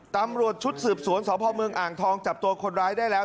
ตำรวจชุดสืบสวนสพเมืองอ่างทองจับตัวคนร้ายได้แล้ว